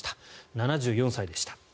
７４歳でした。